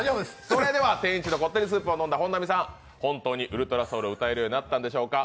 それでは天一のこってりスープを飲んだ本並さん、本当に「ｕｌｔｒａｓｏｕｌ」を歌えるようになったんでしょうか。